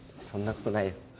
そんなことないよ。